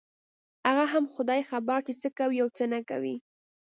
هغه هم خداى خبر چې څه کوي او څه نه کوي.